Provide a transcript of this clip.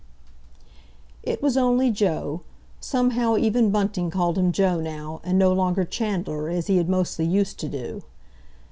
It was only Joe. Somehow, even Bunting called him "Joe" now, and no longer "Chandler," as he had mostly used to do.